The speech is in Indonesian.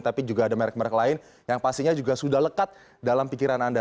tapi juga ada merek merek lain yang pastinya juga sudah lekat dalam pikiran anda